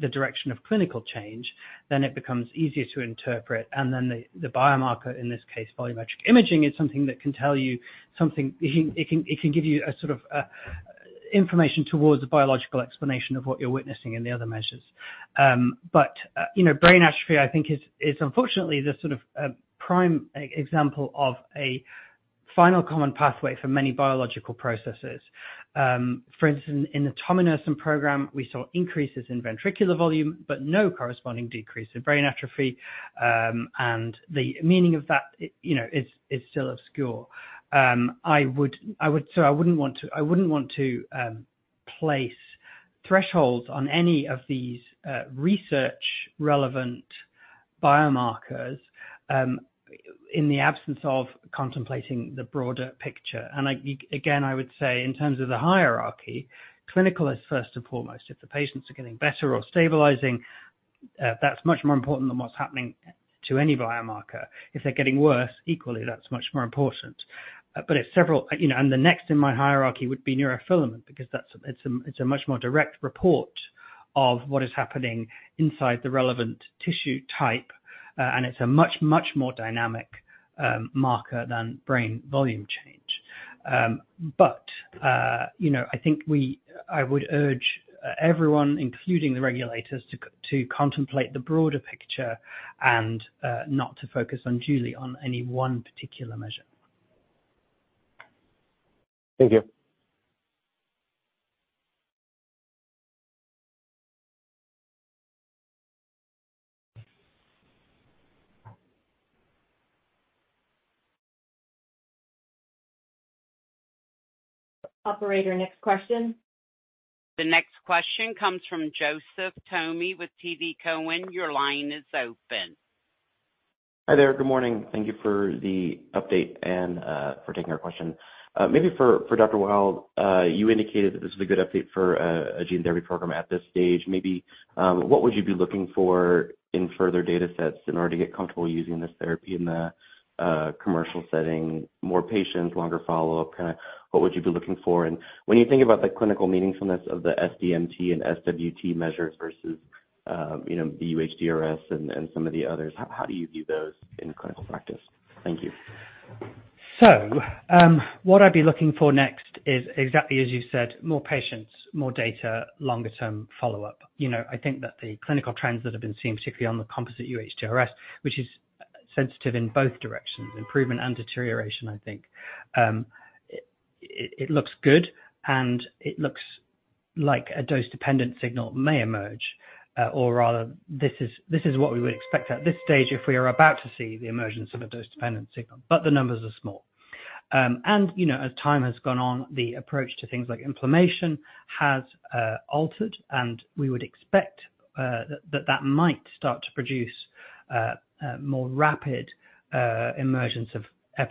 [SPEAKER 5] the direction of clinical change, then it becomes easier to interpret, and then the biomarker, in this case, volumetric imaging, is something that can tell you something... It can, it can give you a sort of, information towards a biological explanation of what you're witnessing in the other measures. But, you know, brain atrophy, I think, is, is unfortunately the sort of, prime example of a final common pathway for many biological processes. For instance, in the tominersen program, we saw increases in ventricular volume, but no corresponding decrease in brain atrophy. And the meaning of that, you know, is, is still obscure. I would, I would say, I wouldn't want to, I wouldn't want to, place thresholds on any of these, research relevant biomarkers, in the absence of contemplating the broader picture. And I, again, I would say in terms of the hierarchy, clinical is first and foremost. If the patients are getting better or stabilizing, that's much more important than what's happening to any biomarker. If they're getting worse, equally, that's much more important. But it's several, you know, and the next in my hierarchy would be neurofilament, because that's a much more direct report of what is happening inside the relevant tissue type, and it's a much, much more dynamic marker than brain volume change. But, you know, I think I would urge everyone, including the regulators, to contemplate the broader picture and not to focus solely on any one particular measure.
[SPEAKER 7] Thank you.
[SPEAKER 2] Operator, next question.
[SPEAKER 1] The next question comes from Joseph Thome with TD Cowen. Your line is open.
[SPEAKER 8] Hi there. Good morning. Thank you for the update and for taking our question. Maybe for Dr. Wild, you indicated that this is a good update for a gene therapy program at this stage. Maybe, what would you be looking for in further datasets in order to get comfortable using this therapy in the commercial setting? More patients, longer follow-up, kinda, what would you be looking for? And when you think about the clinical meaningfulness of the SDMT and SWT measures versus, you know, the UHDRS and some of the others, how do you view those in clinical practice? Thank you.
[SPEAKER 5] So, what I'd be looking for next is exactly, as you said, more patients, more data, longer term follow-up. You know, I think that the clinical trends that have been seen, particularly on the composite UHDRS, which is sensitive in both directions, improvement and deterioration, I think. It looks good, and it looks like a dose-dependent signal may emerge, or rather, this is what we would expect at this stage if we are about to see the emergence of a dose-dependent signal, but the numbers are small. And, you know, as time has gone on, the approach to things like inflammation has altered, and we would expect that that might start to produce more rapid emergence of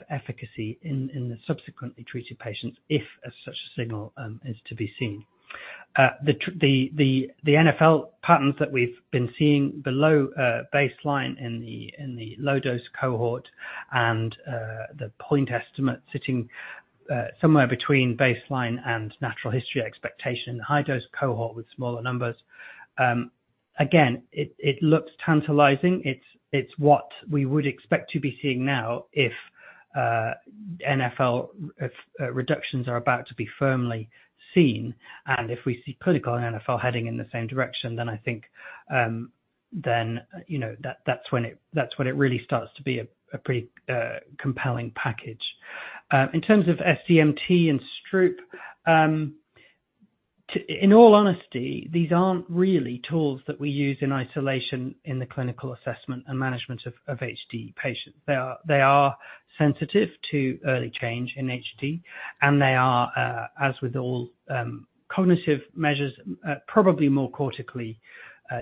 [SPEAKER 5] efficacy in the subsequently treated patients, if as such a signal is to be seen. The NfL patterns that we've been seeing below baseline in the low dose cohort and the point estimate sitting somewhere between baseline and natural history expectation, high dose cohort with smaller numbers. Again, it looks tantalizing. It's what we would expect to be seeing now if NfL reductions are about to be firmly seen, and if we see clinical and NfL heading in the same direction, then I think, then, you know, that's when it really starts to be a pretty compelling package. In terms of SDMT and Stroop, in all honesty, these aren't really tools that we use in isolation in the clinical assessment and management of HD patients. They are, they are sensitive to early change in HD, and they are, as with all, cognitive measures, probably more cortically,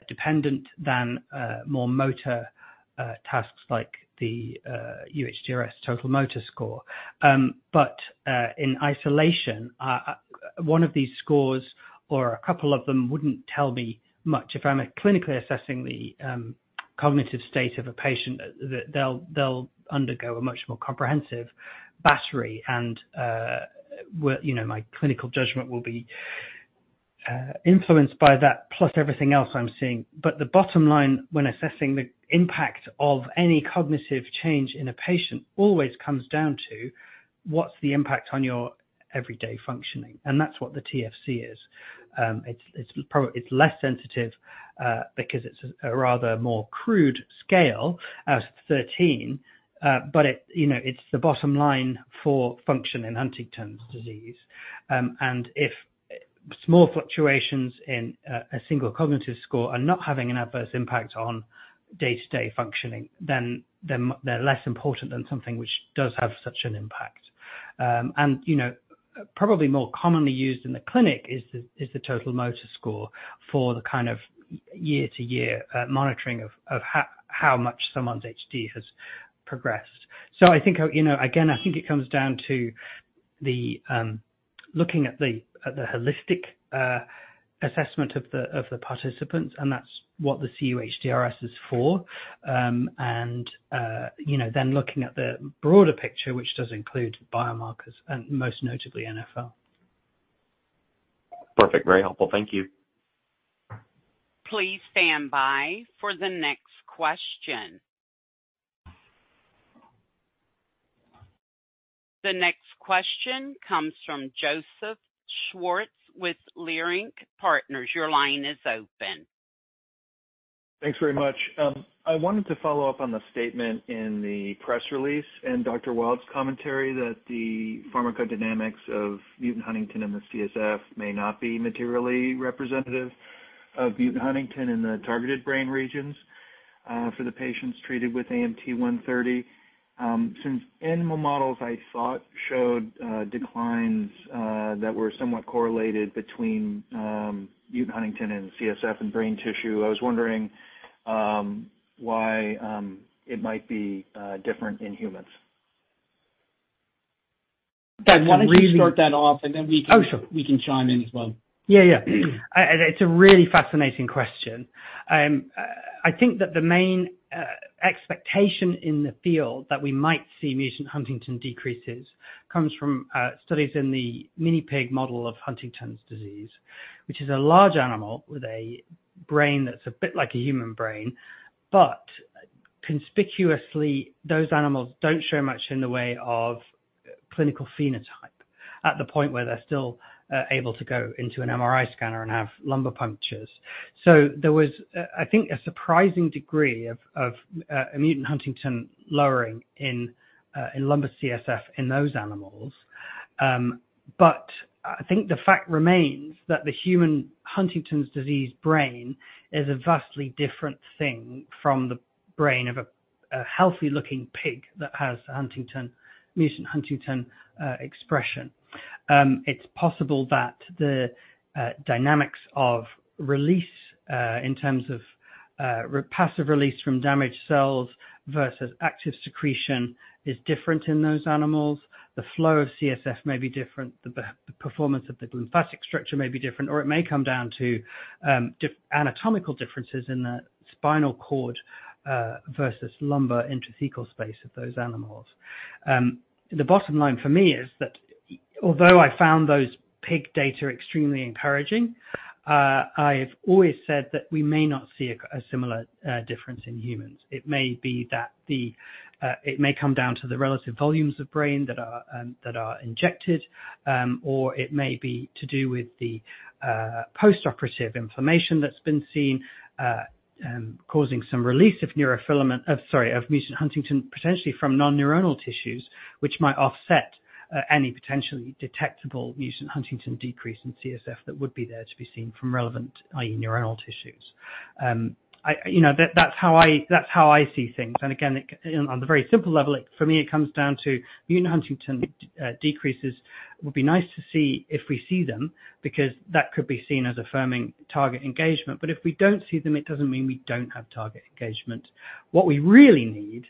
[SPEAKER 5] dependent than, more motor, tasks like the, UHDRS Total Motor Score. But, in isolation, one of these scores or a couple of them wouldn't tell me much. If I'm clinically assessing the, cognitive state of a patient, they'll, they'll undergo a much more comprehensive battery and, well, you know, my clinical judgment will be, influenced by that, plus everything else I'm seeing. But the bottom line when assessing the impact of any cognitive change in a patient, always comes down to: what's the impact on your everyday functioning? And that's what the TFC is. It's less sensitive because it's a rather more crude scale as 13, but you know, it's the bottom line for function in Huntington's disease. And if small fluctuations in a single cognitive score are not having an adverse impact on day-to-day functioning, then they're less important than something which does have such an impact. And you know, probably more commonly used in the clinic is the total motor score for the kind of year-to-year monitoring of how much someone's HD has progressed. So I think, you know, again, I think it comes down to looking at the holistic assessment of the participants, and that's what the cUHDRS is for. you know, then looking at the broader picture, which does include biomarkers and most notably, NfL.
[SPEAKER 8] Perfect. Very helpful. Thank you.
[SPEAKER 1] Please stand by for the next question. The next question comes from Joseph Schwartz with Leerink Partners. Your line is open.
[SPEAKER 9] ...Thanks very much. I wanted to follow up on the statement in the press release and Dr. Wild's commentary that the pharmacodynamics of mutant huntingtin and the CSF may not be materially representative of mutant huntingtin in the targeted brain regions for the patients treated with AMT-130. Since animal models I thought showed declines that were somewhat correlated between mutant huntingtin and CSF and brain tissue. I was wondering why it might be different in humans?
[SPEAKER 3] I want to start that off, and then we can-
[SPEAKER 5] Oh, sure.
[SPEAKER 3] We can chime in as well.
[SPEAKER 5] Yeah, yeah. It's a really fascinating question. I think that the main expectation in the field that we might see mutant huntingtin decreases comes from studies in the mini pig model of Huntington's disease. Which is a large animal with a brain that's a bit like a human brain, but conspicuously, those animals don't show much in the way of clinical phenotype, at the point where they're still able to go into an MRI scanner and have lumbar punctures. So there was, I think, a surprising degree of a mutant huntingtin lowering in lumbar CSF in those animals. But I think the fact remains that the human Huntington's disease brain is a vastly different thing from the brain of a healthy-looking pig that has Huntington mutant Huntington expression. It's possible that the dynamics of release in terms of passive release from damaged cells versus active secretion is different in those animals. The flow of CSF may be different, the performance of the glymphatic structure may be different, or it may come down to anatomical differences in the spinal cord versus lumbar intrathecal space of those animals. The bottom line for me is that although I found those pig data extremely encouraging, I've always said that we may not see a similar difference in humans. It may be that it may come down to the relative volumes of brain that are injected. Or it may be to do with the post-operative inflammation that's been seen causing some release of neurofilament... Sorry, of mutant huntingtin, potentially from non-neuronal tissues, which might offset any potentially detectable mutant huntingtin decrease in CSF that would be there to be seen from relevant, i.e., neuronal tissues. I, you know, that's how I, that's how I see things. And again, it, on the very simple level, for me, it comes down to mutant huntingtin decreases would be nice to see if we see them, because that could be seen as affirming target engagement. But if we don't see them, it doesn't mean we don't have target engagement. What we really need,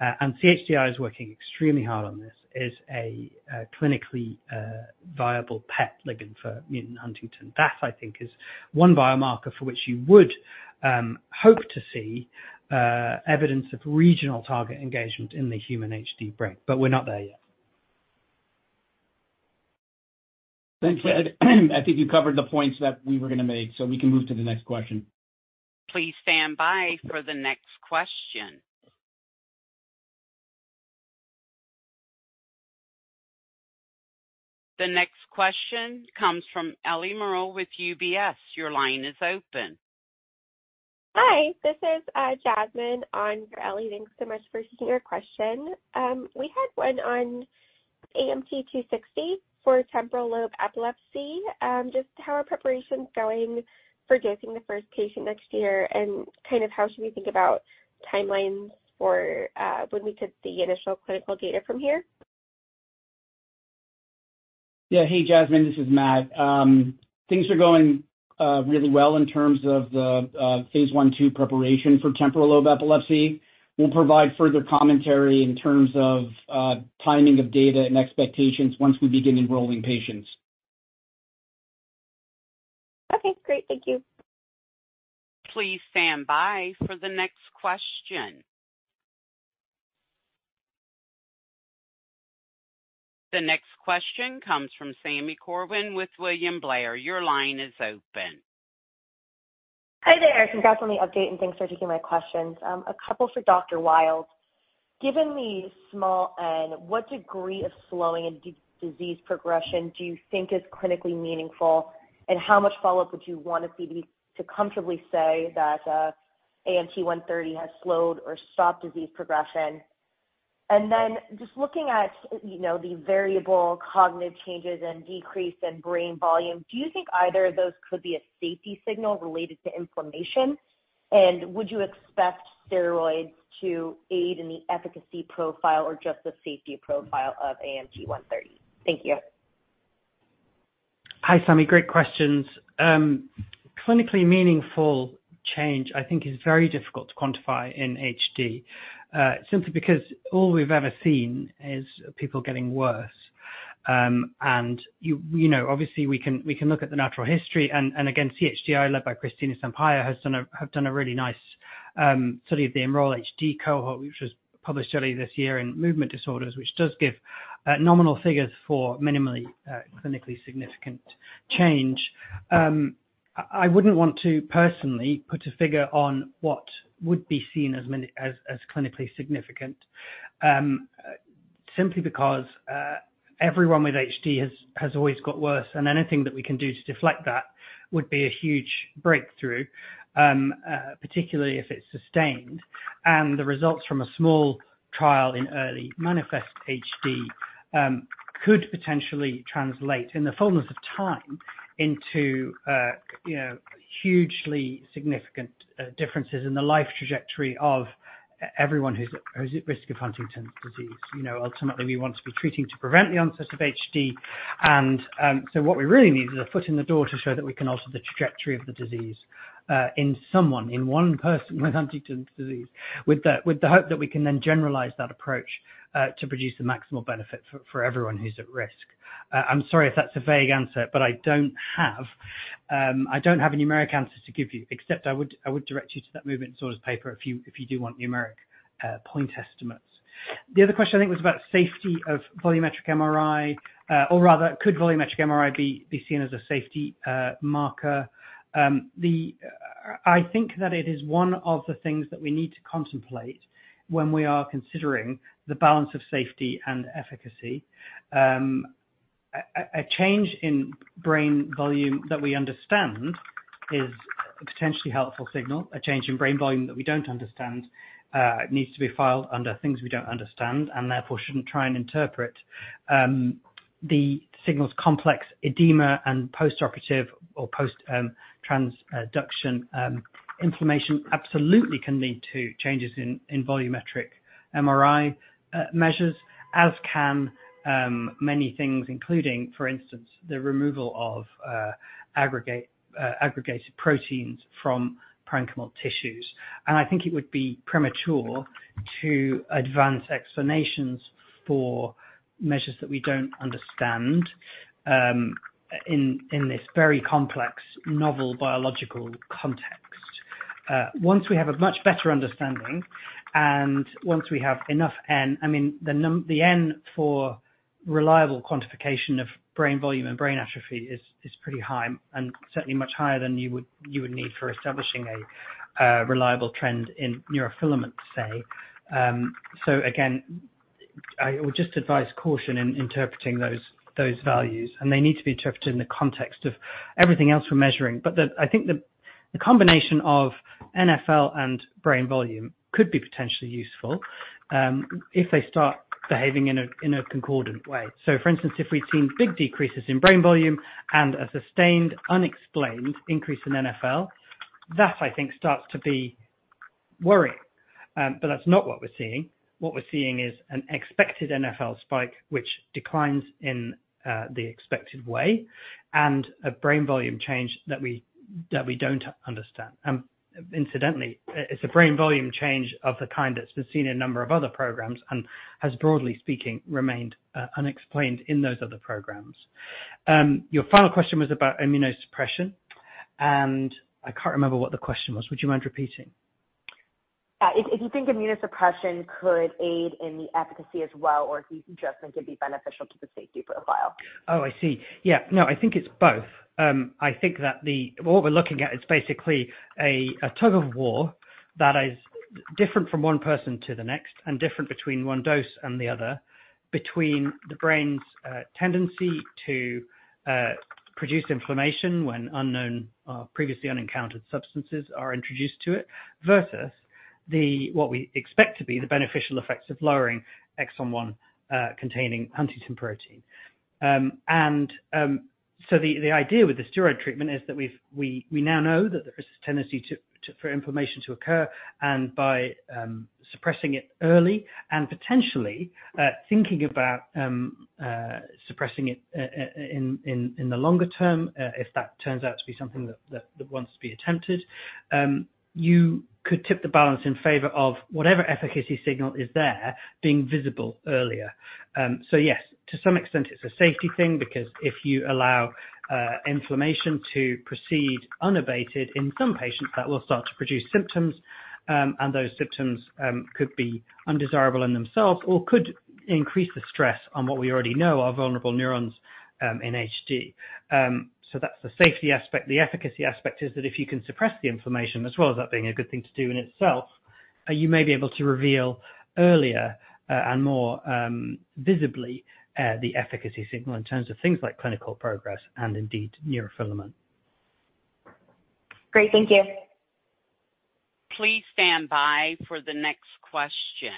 [SPEAKER 5] and CHDI is working extremely hard on this, is a clinically viable PET ligand for mutant huntingtin. That, I think, is one biomarker for which you would hope to see evidence of regional target engagement in the human HD brain, but we're not there yet.
[SPEAKER 3] Thanks, Ed. I think you covered the points that we were going to make, so we can move to the next question.
[SPEAKER 1] Please stand by for the next question. The next question comesm Ellie Merle with UBS. Your line is open.
[SPEAKER 10] Hi, this is Jasmine on for Ellie. Thanks so much for taking our question. We had one on AMT-260 for temporal lobe epilepsy. Just how are preparations going for dosing the first patient next year? And kind of how should we think about timelines for when we could see initial clinical data from here?
[SPEAKER 3] Yeah. Hey, Jasmine, this is Matt. Things are going really well in terms of the phase one, two preparation for temporal lobe epilepsy. We'll provide further commentary in terms of timing of data and expectations once we begin enrolling patients.
[SPEAKER 10] Okay, great. Thank you.
[SPEAKER 1] Please stand by for the next question. The next question comes from Sami Corwin with William Blair. Your line is open.
[SPEAKER 11] Hi there. Congrats on the update, and thanks for taking my questions. A couple for Dr. Wild. Given the small n, what degree of slowing in disease progression do you think is clinically meaningful? And how much follow-up would you want to see to comfortably say that AMT-130 has slowed or stopped disease progression? And then just looking at, you know, the variable cognitive changes and decrease in brain volume, do you think either of those could be a safety signal related to inflammation? And would you expect steroids to aid in the efficacy profile or just the safety profile of AMT-130? Thank you.
[SPEAKER 5] Hi, Sami. Great questions. Clinically meaningful change, I think, is very difficult to quantify in HD, simply because all we've ever seen is people getting worse. And you know, obviously, we can look at the natural history and again, CHDI, led by Cristina Sampaio, have done a really nice study of the Enroll-HD cohort, which was published earlier this year in Movement Disorders, which does give nominal figures for minimally clinically significant change. I wouldn't want to personally put a figure on what would be seen as clinically significant. Simply because, everyone with HD has always got worse, and anything that we can do to deflect that would be a huge breakthrough, particularly if it's sustained. The results from a small trial in early manifest HD could potentially translate in the fullness of time into, you know, hugely significant differences in the life trajectory of everyone who's at risk of Huntington's disease. You know, ultimately, we want to be treating to prevent the onset of HD. So what we really need is a foot in the door to show that we can alter the trajectory of the disease in someone, in one person with Huntington's disease with the hope that we can then generalize that approach to produce the maximal benefit for everyone who's at risk. I'm sorry if that's a vague answer, but I don't have a numeric answer to give you, except I would direct you to that Movement Disorders paper if you do want numeric point estimates. The other question, I think, was about safety of volumetric MRI, or rather, could volumetric MRI be seen as a safety marker? I think that it is one of the things that we need to contemplate when we are considering the balance of safety and efficacy. A change in brain volume that we understand is a potentially helpful signal. A change in brain volume that we don't understand needs to be filed under things we don't understand, and therefore, shouldn't try and interpret. The signals complex edema and post-operative or post transduction inflammation absolutely can lead to changes in volumetric MRI measures, as can many things, including, for instance, the removal of aggregate aggregated proteins from parenchymal tissues. I think it would be premature to advance explanations for measures that we don't understand in this very complex, novel biological context. Once we have a much better understanding and once we have enough n, I mean, the n, for reliable quantification of brain volume and brain atrophy is pretty high and certainly much higher than you would need for establishing a reliable trend in neurofilaments, say. Again, I would just advise caution in interpreting those values, and they need to be interpreted in the context of everything else we're measuring. But I think the combination of NfL and brain volume could be potentially useful, if they start behaving in a concordant way. So for instance, if we've seen big decreases in brain volume and a sustained, unexplained increase in NfL, that I think starts to be worrying. But that's not what we're seeing. What we're seeing is an expected NfL spike, which declines in the expected way and a brain volume change that we don't understand. Incidentally, it's a brain volume change of the kind that's been seen in a number of other programs and has, broadly speaking, remained unexplained in those other programs. Your final question was about immunosuppression, and I can't remember what the question was. Would you mind repeating?
[SPEAKER 11] If you think immunosuppression could aid in the efficacy as well, or if you just think it'd be beneficial to the safety profile?
[SPEAKER 5] Oh, I see. Yeah. No, I think it's both. I think that what we're looking at is basically a tug-of-war that is different from one person to the next and different between one dose and the other, between the brain's tendency to produce inflammation when unknown, previously unencountered substances are introduced to it, versus what we expect to be the beneficial effects of lowering exon 1 containing huntingtin protein. And so the idea with the steroid treatment is that we now know that there is a tendency for inflammation to occur, and by suppressing it early and potentially thinking about suppressing it in the longer term, if that turns out to be something that wants to be attempted, you could tip the balance in favor of whatever efficacy signal is there being visible earlier. So yes, to some extent, it's a safety thing, because if you allow inflammation to proceed unabated, in some patients, that will start to produce symptoms, and those symptoms could be undesirable in themselves or could increase the stress on what we already know are vulnerable neurons in HD. So that's the safety aspect. The efficacy aspect is that if you can suppress the inflammation, as well as that being a good thing to do in itself, you may be able to reveal earlier, and more, visibly, the efficacy signal in terms of things like clinical progress and indeed, neurofilament.
[SPEAKER 11] Great. Thank you.
[SPEAKER 1] Please stand by for the next question.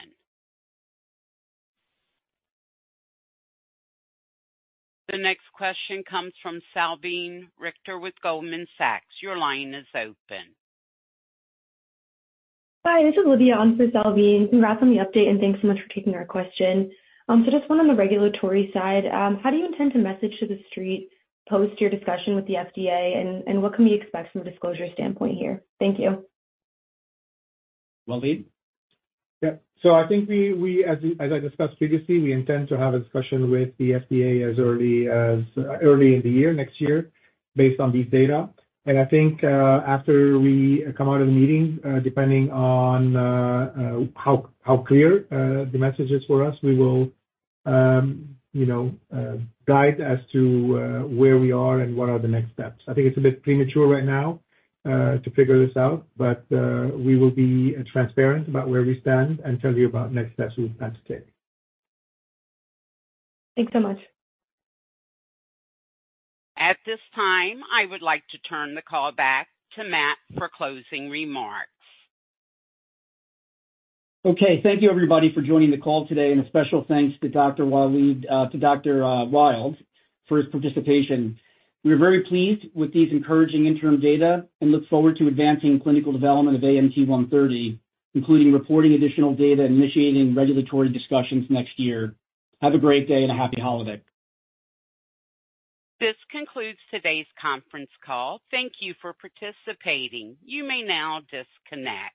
[SPEAKER 1] The next question comes from Salveen Richter with Goldman Sachs. Your line is open.
[SPEAKER 12] Hi, this is Olivia on for Salveen. Congrats on the update, and thanks so much for taking our question. So just one on the regulatory side. How do you intend to message to the street, post your discussion with the FDA, and what can we expect from a disclosure standpoint here? Thank you.
[SPEAKER 3] Walid?
[SPEAKER 4] Yeah. So I think we, as I discussed previously, we intend to have a discussion with the FDA as early as early in the year, next year, based on these data. And I think after we come out of the meeting, depending on how clear the message is for us, we will, you know, guide as to where we are and what are the next steps. I think it's a bit premature right now to figure this out, but we will be transparent about where we stand and te`l you about next steps we plan to take.
[SPEAKER 12] Thanks so much.
[SPEAKER 1] At this time, I would like to turn the call back to Matt for closing remarks.
[SPEAKER 3] Okay. Thank you, everybody, for joining the call today, and a special thanks to Dr. Wild for his participation. We are very pleased with these encouraging interim data and look forward to advancing clinical development of AMT-130, including reporting additional data and initiating regulatory discussions next year. Have a great day and a happy holiday.
[SPEAKER 1] This concludes today's conference call. Thank you for participating. You may now disconnect.